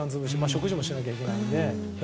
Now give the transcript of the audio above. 食事もしないといけないので。